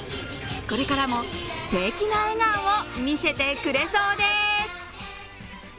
これからもすてきな笑顔を見せてくれそうです。